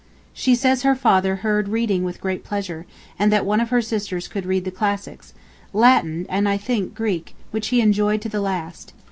She says her father heard reading with great pleasure, and that one of her sisters could read the classics: Latin and, I think, Greek, which he enjoyed to the last.